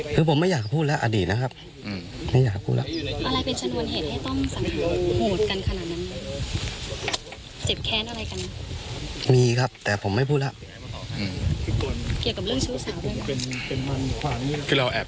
ผมให้บันทึกประจำวันไหมล่ะครับ